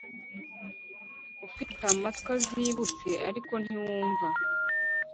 ufite amatwi azibutse, ariko ntiwumva!